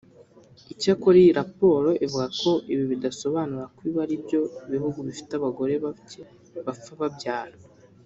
Icyakora iyi raporo ivuga ko ibi bidasobanura ko ibi ari byo bihugu bifite abagore bake bapfa babyara